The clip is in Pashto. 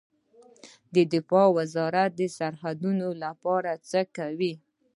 دفاع وزارت د سرحدونو لپاره څه کوي؟